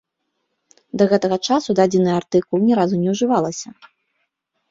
Да гэтага часу дадзеная артыкул ні разу не ўжывалася.